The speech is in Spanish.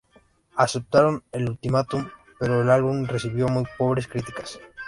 Aceptaron el ultimatum, pero el álbum recibió muy pobres críticas.